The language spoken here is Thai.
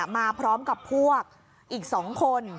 มาพร้อมกับพวกอีก๒คน